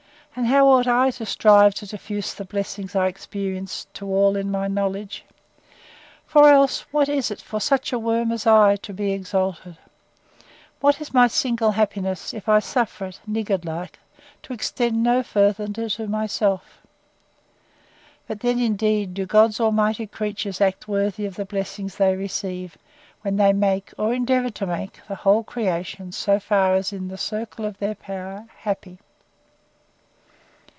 and how ought I to strive to diffuse the blessings I experience, to all in my knowledge!—For else, what is it for such a worm as I to be exalted! What is my single happiness, if I suffer it, niggard like, to extend no farther than to myself?—But then, indeed, do God Almighty's creatures act worthy of the blessings they receive, when they make, or endeavour to make, the whole creation, so far as is in the circle of their power, happy!